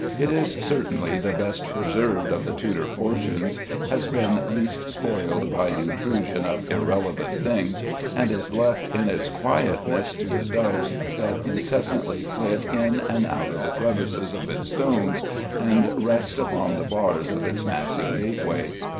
It is certainly the best preserved of the Tudor portions, has been least spoiled by intrusion of irrelevant things, and is left in its quietness to the doves that incessantly flit in and out of the crevices of its stones and rest upon the bars of its massive gateway.